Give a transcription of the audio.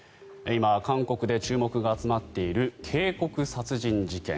今、韓国で注目が集まっている渓谷殺人事件。